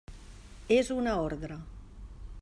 És una ordre.